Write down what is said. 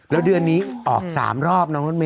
แล้วเดือนนี้ออก๓รอบน้องรถเม